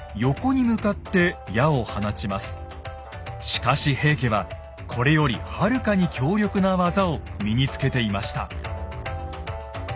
しかし平家はこれよりはるかに強力な技を身につけていました。